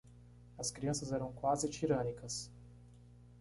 As crianças eram quase tirânicas.